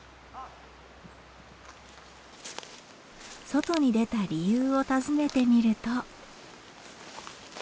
外に出た理由を尋ねてみると。